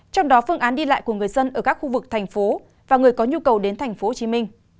trong đó phương án đi lại của người dân ở các khu vực thành phố và người có nhu cầu đến tp hcm